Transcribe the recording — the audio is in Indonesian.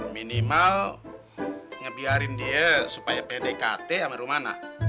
minimal ngebiarin dia supaya pdkt sama rumah